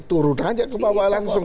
turun aja ke bawah langsung